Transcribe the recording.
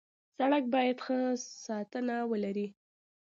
سړک باید ښه ساتنه ولري.